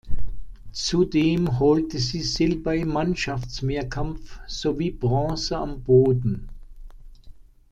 Zudem holte sie Silber im Mannschaftsmehrkampf sowie Bronze am Boden.